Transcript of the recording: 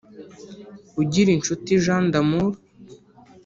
Ugirinshuti Jean d’Amour